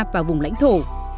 và vùng lãnh thổ